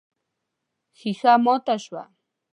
ښيښه ماته شوه.